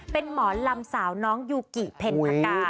เป็นหมอลำสาวน้องยูกิเพ็ญพกา